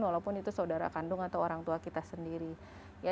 walaupun itu saudara kandung atau orang tua kita sendiri